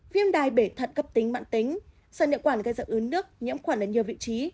viêm đài bể thận cấp tính mạng tính sỏi niệu quản gây ra ứng đức nhiễm khuẩn ở nhiều vị trí